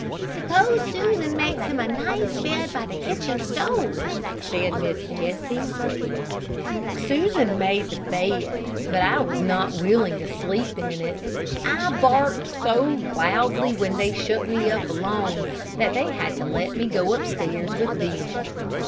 "Suppose Susan makes him a nice bed by the kitchen stove?" said Miss Bessie. Susan made the bed, but I was not willing to sleep in it. I barked so loudly when they shut me up alone, that they had to let me go upstairs with them.